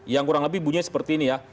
yang kurang lebih bunyinya seperti ini ya